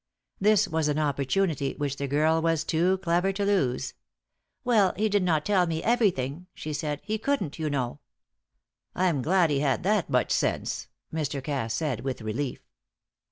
This was an opportunity which the girl was too clever to lose. "Well, he did not tell me everything," she said. "He couldn't, you know." "I'm glad he had that much sense," Mr. Cass said, with relief.